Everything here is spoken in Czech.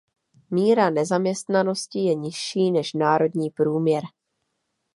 Míra nezaměstnanosti je nižší než národní průměr.